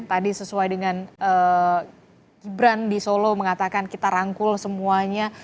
tadi sesuai dengan gibran di solo mengatakan kita rangkul semuanya